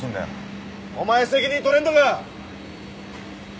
お前責任取れんのか？